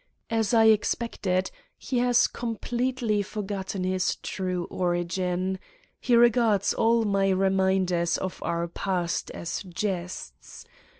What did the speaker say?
As I expected, he has completely forgotten his true origin: he regards all my reminders of our past as jests.